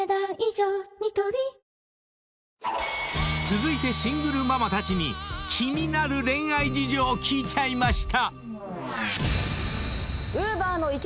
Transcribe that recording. ［続いてシングルママたちに気になる恋愛事情を聞いちゃいました！］